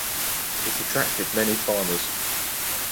It attracted many farmers.